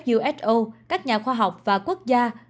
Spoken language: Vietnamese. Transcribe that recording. who các nhà khoa học và quốc gia